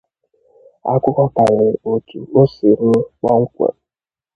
Akụkọ karịrị otu o si nwụ kpọmkwem